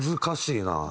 難しいな。